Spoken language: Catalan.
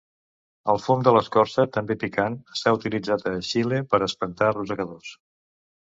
El fum de l'escorça, també picant, s'ha utilitzat a Xile per espantar rosegadors.